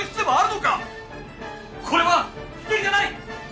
これは不貞じゃない！